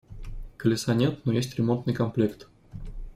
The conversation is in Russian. Колеса нет, но есть ремонтный комплект.